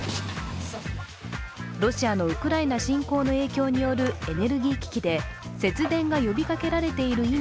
ロシアのウクライナ侵攻の影響によるエネルギー危機で節電が呼びかけられている今